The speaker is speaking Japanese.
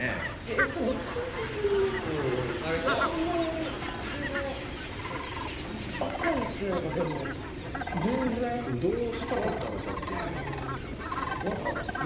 やっぱり中岡さんのあのあれがちょっと赤い線がでも全然どうしたかったのかっていうえ